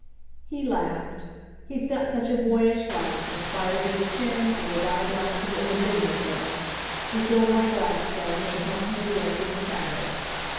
He laughed. He's got such a boyish laugh in spite of his chin and his eye glasses and the bigness of him. He filled my glass for me and helped me again to the salad.